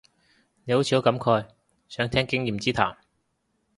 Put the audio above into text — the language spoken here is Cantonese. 你好似好感慨，想聽經驗之談